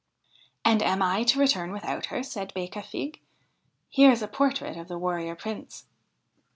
'And am I to return without her?' said Becafigue. ' Here is a portrait of the Warrior Prince.'